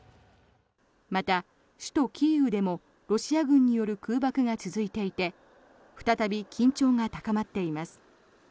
また、首都キーウでもロシア軍による空爆が続いていて再び緊張が高まっています。